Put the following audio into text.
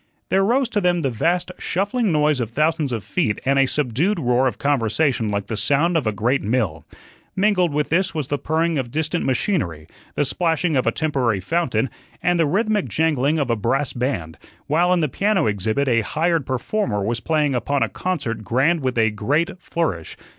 There rose to them the vast shuffling noise of thousands of feet and a subdued roar of conversation like the sound of a great mill. Mingled with this was the purring of distant machinery, the splashing of a temporary fountain, and the rhythmic jangling of a brass band, while in the piano exhibit a hired performer was playing upon a concert grand with a great flourish.